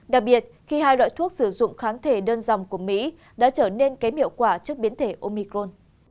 đặc biệt khi hai loại thuốc sử dụng kháng thể đơn dòng của mỹ đã trở nên kém hiệu quả trước biến thể omicron